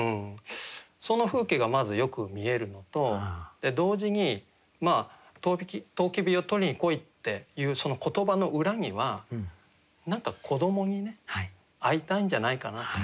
その風景がまずよく見えるのと同時に「唐黍を取りに来い」っていうその言葉の裏には何か子どもにね会いたいんじゃないかなと。